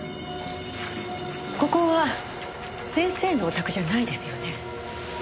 ここは先生のお宅じゃないですよね？